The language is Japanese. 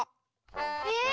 え？